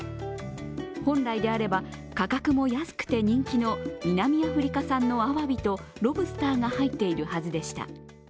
本来であれば価格も安くて人気の南アフリカ産のあわびとロブスターが入っているはずでした。